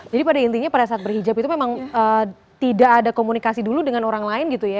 jadi pada intinya pada saat berhijab itu memang tidak ada komunikasi dulu dengan orang lain gitu ya